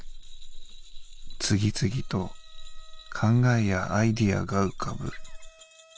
次々と考えやアイデアが浮かぶ」。